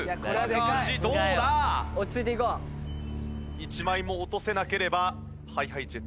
１枚も落とせなければＨｉＨｉＪｅｔｓ